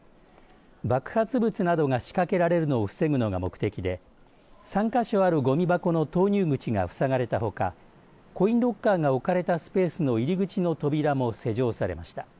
爆発物などが仕掛けられるのを防ぐのが目的で３か所あるごみ箱の投入口が塞がれたほかコインロッカーが置かれたスペースの入り口の扉も施錠されました。